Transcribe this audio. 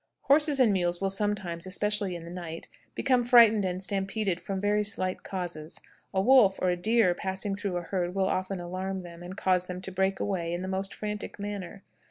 Horses and mules will sometimes, especially in the night, become frightened and stampeded from very slight causes. A wolf or a deer passing through a herd will often alarm them, and cause them to break away in the most frantic manner.